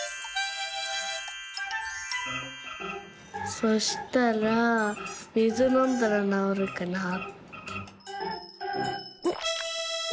「そしたらみずのんだらなおるかなって」。